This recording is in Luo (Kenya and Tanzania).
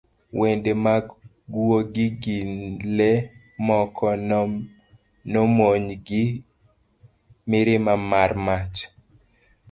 wende mag gwogi gi le moko nomwony gi mirima mar mach